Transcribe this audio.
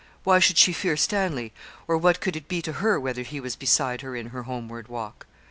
Why should she fear Stanley, or what could it be to her whether he was beside her in her homeward walk?